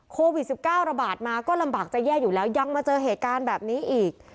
โควิด๑๙ระบาดมาก็ลำบากจะแย่อยู่แล้วยังมาเจอเหตุการณ์แบบนี้อีก